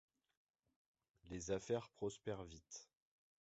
Les affaires prospèrent vite.